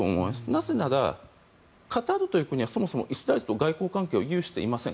なぜならカタールという国はそもそもイスラエルとの外交関係を有していません。